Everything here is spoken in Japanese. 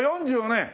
４４年？